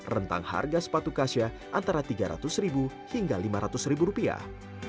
rentang harga sepatu kasia antara tiga ratus hingga lima ratus rupiah